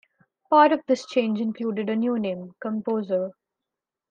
Part of this change included a new name - "Composer".